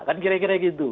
kan kira kira gitu